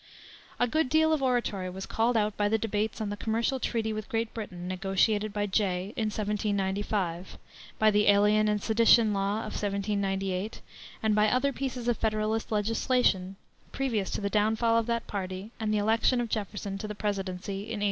A good deal of oratory was called out by the debates on the commercial treaty with Great Britain, negotiated by Jay in 1795, by the Alien and Sedition Law of 1798, and by other pieces of Federalist legislation, previous to the downfall of that party and the election of Jefferson to the presidency in 1800.